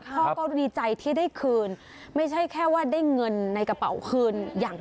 พ่อก็ดีใจที่ได้คืนไม่ใช่แค่ว่าได้เงินในกระเป๋าคืนอย่าง